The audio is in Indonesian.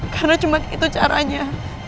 karena cuma itu caranya